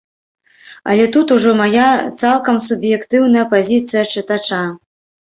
Але тут ужо мая цалкам суб'ектыўная пазіцыя чытача.